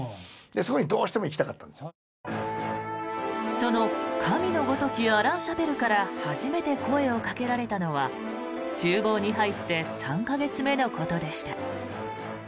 その、神のごときアラン・シャペルから初めて声をかけられたのは厨房に入って３か月目のことでした。